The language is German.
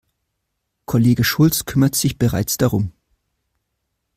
Kollege Schulz kümmert sich bereits darum.